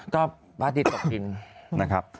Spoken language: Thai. ก็พระอาทิตย์ตกดินนะครับ